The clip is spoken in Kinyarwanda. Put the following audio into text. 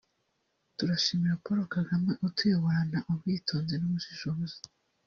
turashima Paul Kagame utuyoborana ubwitonzi n’ubushishozi